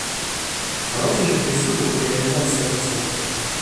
Давайте же приступим к реализации этой цели.